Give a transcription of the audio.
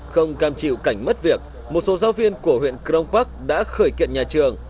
không cam chịu cảnh mất việc một số giáo viên của huyện crong park đã khởi kiện nhà trường